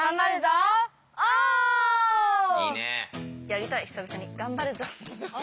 やりたい久々に「頑張るぞおー！」。